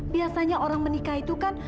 biasanya orang menikah itu kan